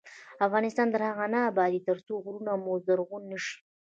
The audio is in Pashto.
افغانستان تر هغو نه ابادیږي، ترڅو غرونه مو زرغون نشي.